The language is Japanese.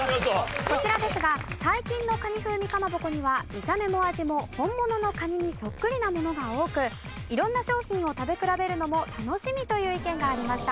こちらですが最近のカニ風味かまぼこには見た目も味も本物のカニにそっくりなものが多く色んな商品を食べ比べるのも楽しみという意見がありました。